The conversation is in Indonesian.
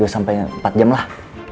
dua sampai empat jam lah